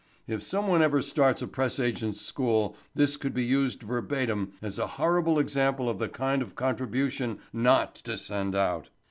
If someone ever starts a press agent's school this could be used verbatim as a horrible example of the kind of a contribution not to send out.